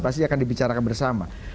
pasti akan dibicarakan bersama